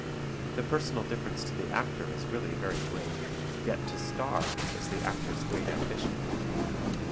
The personal difference to the actor is really very great, yet "to star" is the actor's great ambition.